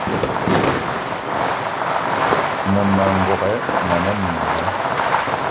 Mmema n'gogué mona mininga